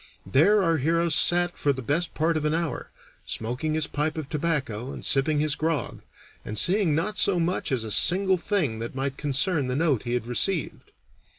There our hero sat for the best part of an hour, smoking his pipe of tobacco and sipping his grog, and seeing not so much as a single thing that might concern the note he had received.